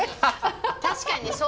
確かに。